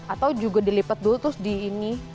atau juga dilipat dulu terus di ini